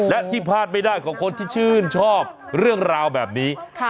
และที่พลาดไม่ได้ของคนที่ชื่นชอบเรื่องราวแบบนี้